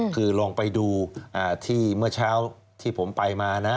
คือลองไปดูที่เมื่อเช้าที่ผมไปมานะ